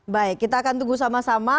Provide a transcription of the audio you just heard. baik kita akan tunggu sama sama